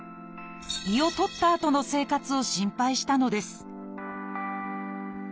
胃を取ったあとの生活を心配したのです